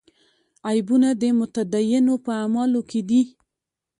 عیبونه د متدینو په اعمالو کې دي.